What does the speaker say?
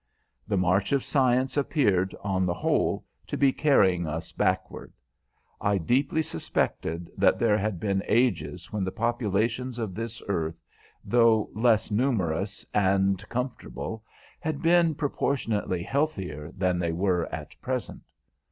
The march of science appeared, on the whole, to be carrying us backward. I deeply suspected that there had been ages when the populations of this earth, though less numerous and comfortable, had been proportionately healthier than they were at present.